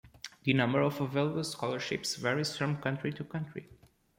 The number of available scholarships varies from country to country.